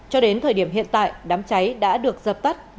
cho đến thời điểm hiện tại đám cháy đã được dập tắt